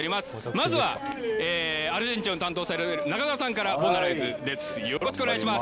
まずはアルゼンチンを担当される中澤さんからボナライズです。